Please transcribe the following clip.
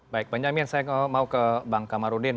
baik penjamin saya mau ke bang kamarudin